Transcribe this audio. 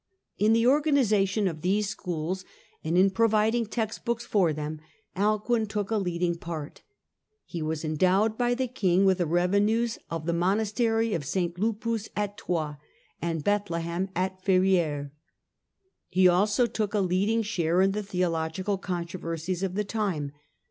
In the organisation of these schools, and in providing text books for them, Alcuin took a leading part. He was endowed by the king with the revenues of the monastery of St. Lupus at Troyes and Bethlehem at Ferrieres. He also took a leading share in the theological con troversies of the time.